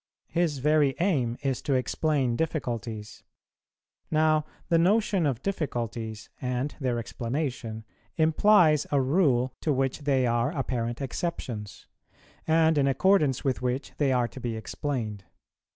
His very aim is to explain difficulties; now the notion of difficulties and their explanation implies a rule to which they are apparent exceptions, and in accordance with which they are to be explained.